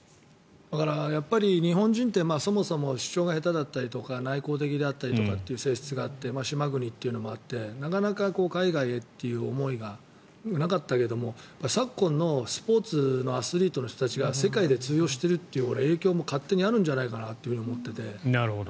だから、日本人ってそもそも主張が下手だったりとか内向的だったりとかっていう性質があって島国というのもあってなかなか海外へという思いがなかったけども、昨今のスポーツのアスリートの人たちが世界で通用しているっていう影響も勝手にあるんじゃないかと思っていて。